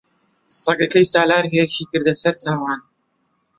سەگەکەی سالار هێرشی کردە سەر چاوان.